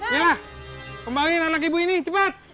nailah kembalikan anak ibu ini cepat